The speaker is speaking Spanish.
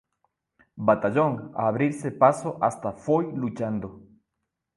Batallón a abrirse paso hasta Foy luchando.